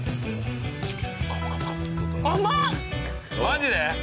マジで？